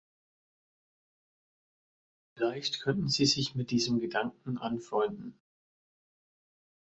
Vielleicht könnten Sie sich mit diesem Gedanken anfreunden.